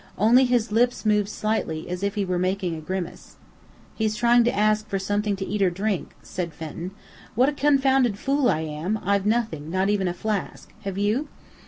Only his lips moved slightly, as if he were making a grimace. "He's trying to ask for something to eat or drink," said Fenton. "What a confounded fool I am! I've nothing, not even a flask. Have you?"